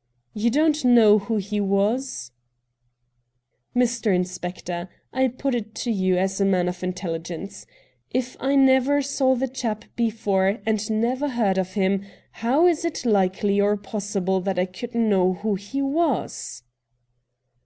' You don't know who he was ?'' Mr. Inspector, I put it to you as a man of intelligence, if I never saw the chap before, and never heard of him, how is it likely or possible that I could know who he was